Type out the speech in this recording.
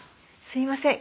すいません。